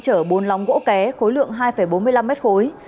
chở bốn lóng gỗ ké khối lượng hai bốn mươi năm mét khối